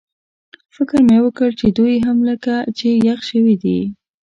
فکر مې وکړ چې دوی هم لکه چې یخ شوي دي.